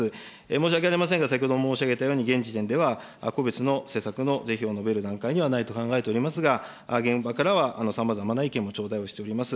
申し訳ありませんが、先ほども申し上げたように、現時点では個別の施策の是非を述べる段階にはないと考えておりますが、現場からはさまざまな意見も頂戴をしております。